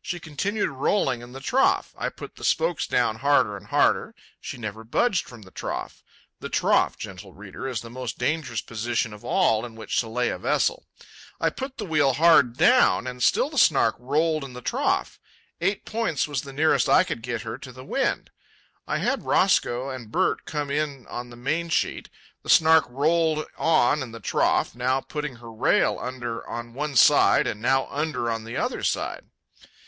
She continued rolling in the trough. I put the spokes down harder and harder. She never budged from the trough. (The trough, gentle reader, is the most dangerous position all in which to lay a vessel.) I put the wheel hard down, and still the Snark rolled in the trough. Eight points was the nearest I could get her to the wind. I had Roscoe and Bert come in on the main sheet. The Snark rolled on in the trough, now putting her rail under on one side and now under on the other side.